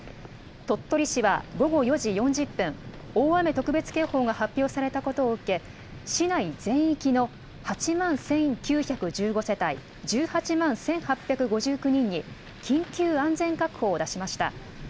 鳥取市は午後４時４０分、大雨特別警報が発表されたことを受け、市内全域の８万１９１５世帯１８万１８５９人に緊急安全確保を出しました。